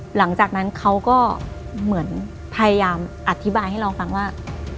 หลังจากนั้นเขาก็เหมือนพยายามอธิบายให้เราฟังว่า